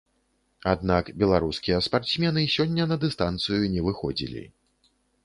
Аднак беларускія спартсмены сёння на дыстанцыю не выходзілі.